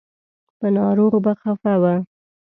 په ناروغ به خفه و.